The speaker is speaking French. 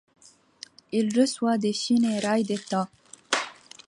Il reçoit des funérailles d'État.